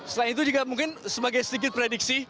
selain itu juga mungkin sebagai sedikit prediksi